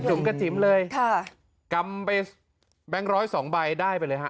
กระจุมกระจิ้มเลยค่ะกำไปแบงค์ร้อย๒ใบได้ไปเลยฮะ